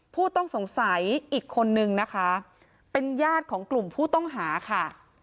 ผู้ต้องสงสัยอีกคนนึงนะคะเป็นญาติของกลุ่มผู้ต้องหาค่ะ